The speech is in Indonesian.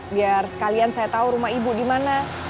biar sekalian saya tahu rumah ibu di mana